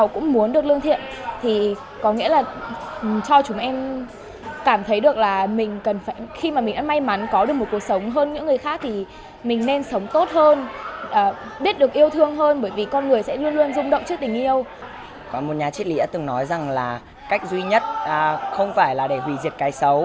có một nhà triết lĩa từng nói rằng là cách duy nhất không phải là để hủy diệt cái xấu